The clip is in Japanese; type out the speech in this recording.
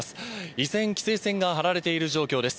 依然、規制線が張られている状況です。